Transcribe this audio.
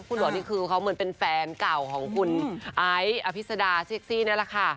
คุณหลวงนี่คือเขาเหมือนเป็นแฟนเก่าของคุณไอซ์อภิษดาเซ็กซี่นี่แหละค่ะ